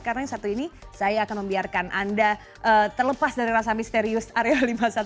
karena yang satu ini saya akan membiarkan anda terlepas dari rasa misterius area lima puluh satu